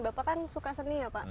bapak kan suka seni ya pak